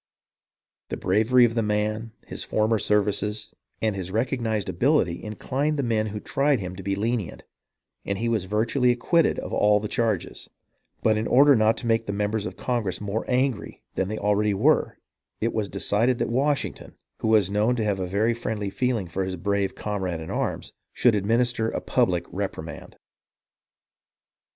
The bravery of the man, his former services, and his recognized ability inclined the men who tried him to be lenient, and he was virtually acquitted of the charges ; but in order not to make the members of Congress more angry than they already were, it was decided that Washington, who was known to have a very friendly feeling for his brave com rade in arms, should administer a public reprimand.